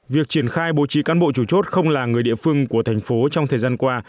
việc triển khai bố trí cán bộ chủ chốt không là người địa phương của thành phố trong thời gian qua